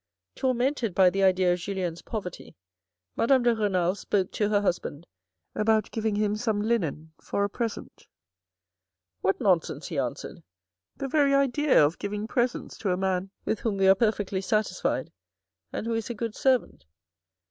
Tormented by the idea of THE ELECTIVE AFFINITIES 37 Julien's poverty, Madame de Renal spoke to her husband about giving him some linen for a present. " What nonsense," he answered, " the very idea of giving presents to a man with whom we are perfectly satisfied and who is a good servant.